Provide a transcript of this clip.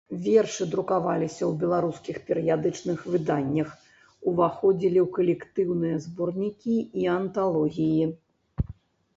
Вершы друкаваліся ў беларускіх перыядычных выданнях, уваходзілі ў калектыўныя зборнікі і анталогіі.